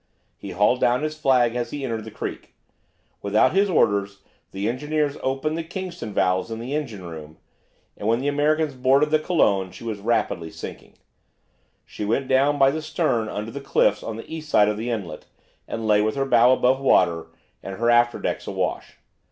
He hauled down his flag as he entered the creek. Without his orders the engineers opened the Kingston valves in the engine room, and when the Americans boarded the "Colon" she was rapidly sinking. She went down by the stern under the cliffs on the east side of the inlet, and lay with her bow above water and her after decks awash.